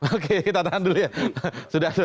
oke kita tahan dulu ya